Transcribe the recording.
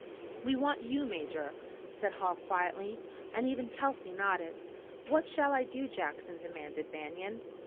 "We want you, Major," said Hall quietly, and even Kelsey nodded. "What shall I do, Jackson?" demanded Banion.